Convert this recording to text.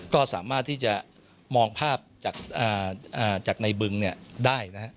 ก็สามารถที่จะมองภาพจากในบึงได้นะฮะ